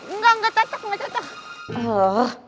enggak enggak tante gak catah